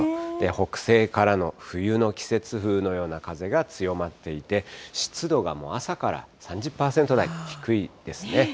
北西からの冬の季節風のような風が強まっていて、湿度がもう朝から３０％台、低いですね。